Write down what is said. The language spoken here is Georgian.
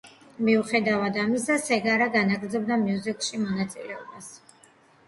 მიუხედავად ამისა, სეგარა განაგრძობდა მიუზიკლში მონაწილეობას.